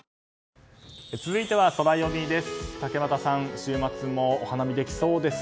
続いてはソラよみです。